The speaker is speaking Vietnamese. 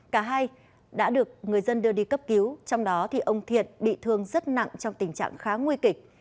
cả hai đã được người dân đưa đi cấp cứu trong đó thì ông thiện bị thương rất nặng trong tình trạng khá nguy kịch